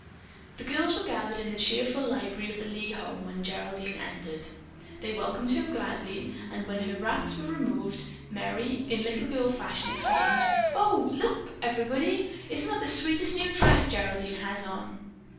The girls were gathered in the cheerful library of the Lee home when Geraldine entered. They welcomed her gladly, and when her wraps were removed Merry, in little girl fashion, exclaimed: "Oh, do look, everybody. Isn't that the sweetest new dress Geraldine has on?"